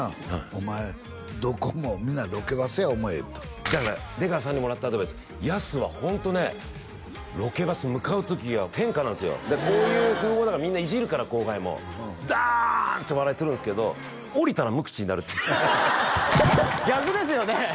お前どこも皆ロケバスや思えってだから出川さんにもらったアドバイスやすはホントねロケバス向かう時は天下なんですよこういう風貌だからみんないじるから後輩もダーッて笑いとるんですけど降りたら無口になるっていう逆ですよね